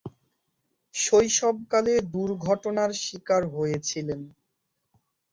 শৈশবকালে দূর্ঘটনার শিকার হয়েছিলেন।